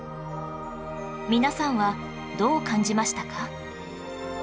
皆さんはどう感じましたか？